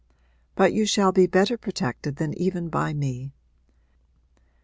'But you shall be better protected than even by me.